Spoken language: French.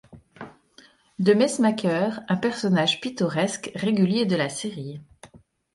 De Mesmaeker, un personnage pittoresque régulier de la série.